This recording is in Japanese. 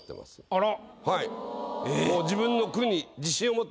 あら。